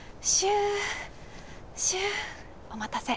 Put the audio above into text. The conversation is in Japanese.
お待たせ。